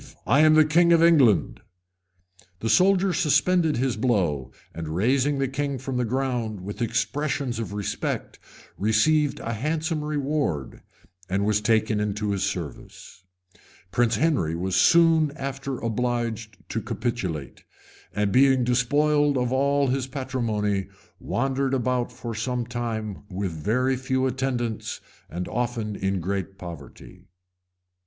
I am the king of England." The soldier suspended his blow and, raising the king from the ground with expressions of respect, received a handsome reward, and was taken into his service. Prince Henry was soon after obliged to capitulate; and being despoiled of all his patrimony, wandered about for some time with very few attendants, and often in great poverty. {1091.